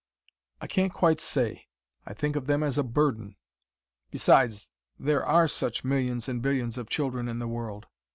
"I can't quite say. I think of them as a burden. Besides, there ARE such millions and billions of children in the world.